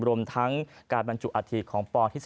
รวมทั้งการบรรจุอาทิตย์ของปฮิศรีครับ